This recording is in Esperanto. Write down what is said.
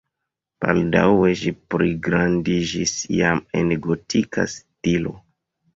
Baldaŭe ĝi pligrandiĝis jam en gotika stilo.